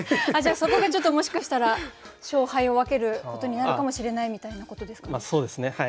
じゃあそこがちょっともしかしたら勝敗を分けることになるかもしれないみたいなことですかね？